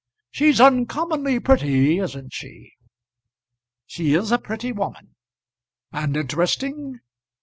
She's uncommonly pretty, isn't she?" "She is a pretty woman." "And interesting?